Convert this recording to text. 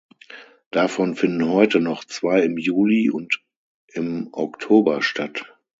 Davon finden heute noch zwei im Juli und im Oktober statt.